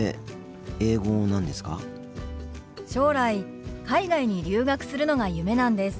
将来海外に留学するのが夢なんです。